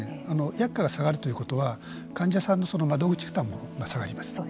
薬価が下がるということは患者さんの窓口負担も下がります。